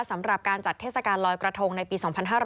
สำหรับการจัดเทศกาลลอยกระทงในปี๒๕๕๙